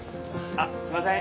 あっすいません